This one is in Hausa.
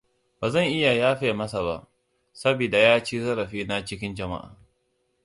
Ba zan iya yafe masa ba, sabida ya ci zarafina cikin jama'a.